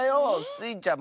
スイちゃん